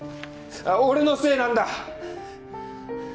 俺のせいなんだ！